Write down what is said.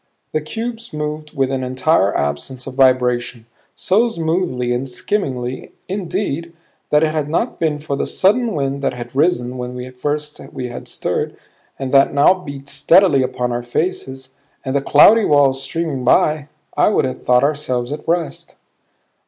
The cubes moved with an entire absence of vibration; so smoothly and skimmingly, indeed, that had it not been for the sudden wind that had risen when first we had stirred, and that now beat steadily upon our faces, and the cloudy walls streaming by, I would have thought ourselves at rest.